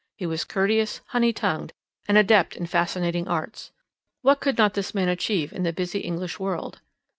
He was courteous, honey tongued—an adept in fascinating arts. What could not this man achieve in the busy English world?